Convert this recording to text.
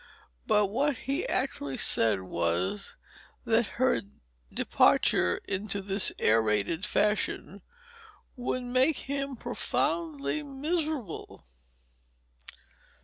But what he actually said was that her departure in this aerated fashion would make him profoundly miserable.